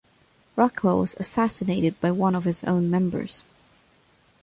Rockwell was assassinated by one of his own members.